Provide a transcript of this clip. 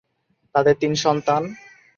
তাদের তিন সন্তান।